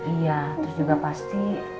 iya terus juga pasti